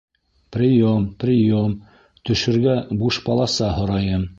Приём, приём, төшөргә буш полоса һорайым...